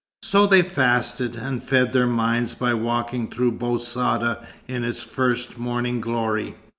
So they fasted, and fed their minds by walking through Bou Saada in its first morning glory.